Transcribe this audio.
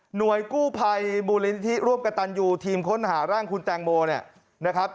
กู้ภัยมูลนิธิร่วมกระตันยูทีมค้นหาร่างคุณแตงโมเนี่ยนะครับ